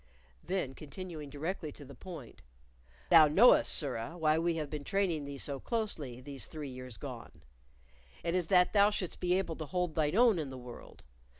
Then, continuing directly to the point: "Thou knowest, sirrah, why we have been training thee so closely these three years gone; it is that thou shouldst be able to hold thine own in the world.